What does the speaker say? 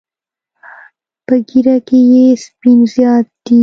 په ږیره کې یې سپین زیات دي.